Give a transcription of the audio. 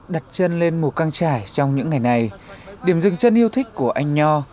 đặt chân lên mù căng trải trong những ngày này điểm dừng chân yêu thích của anh nho